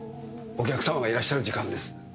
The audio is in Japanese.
お客様がいらっしゃる時間です。